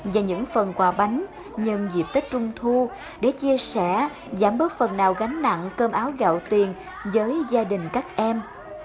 và những phần quà bánh nhân dịp tết trung thu để chia sẻ giảm bớt phần nào gánh nặng cơm áo gạo tiền với gia đình các em